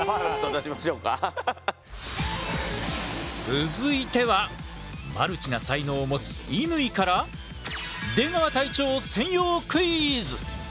続いてはマルチな才能を持つ乾から出川隊長専用クイズ！